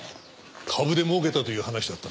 株でもうけたという話だったな。